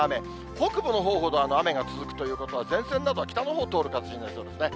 北部のほうほど雨が続くということは、前線などは北のほうを通る形になりそうですね。